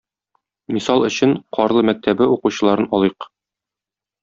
Мисал өчен, Карлы мәктәбе укучыларын алыйк.